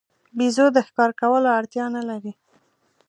بیزو د ښکار کولو اړتیا نه لري.